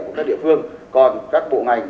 của các địa phương còn các bộ ngành